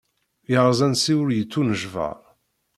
Yerreẓ ansi ur yettunejbar.